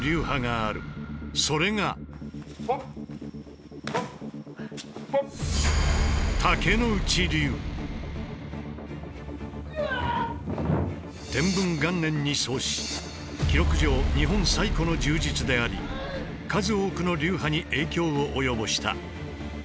それが記録上日本最古の柔術であり数多くの流派に影響を及ぼした。